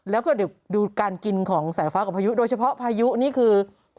แล้วก็เดี๋ยวดูการกินของสายฟ้ากับพายุโดยเฉพาะพายุนี่คือ